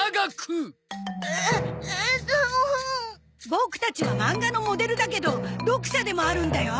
ボクたちはマンガのモデルだけど読者でもあるんだよ。